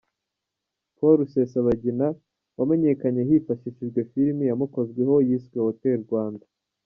Paul Rusesabagina wamenyekanye hifashishijwe filimi yamukozweho yiswe ’Hotel Rwanda’.